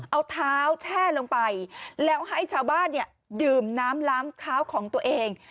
เอาเท้าแช่ลงไปแล้วให้ชาวบ้านเนี่ยดื่มน้ำล้ำเท้าของตัวเอง